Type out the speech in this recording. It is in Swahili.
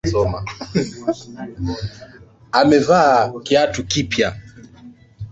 Amevaa kiatu kipya.